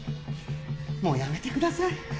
もうやめてください。